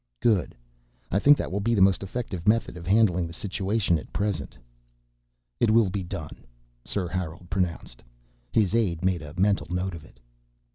"Good. I think that will be the most effective method of handling the situation, at present." "It will be done." Sir Harold pronounced. His aide made a mental note of it.